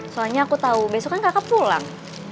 soalnya aku tahu besok kan kakak pulang